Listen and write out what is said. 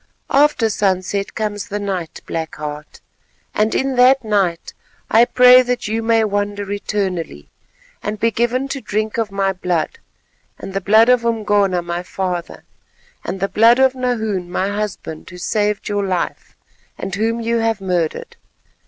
After sunset comes the night, Black Heart, and in that night I pray that you may wander eternally, and be given to drink of my blood and the blood of Umgona my father, and the blood of Nahoon my husband, who saved your life, and whom you have murdered.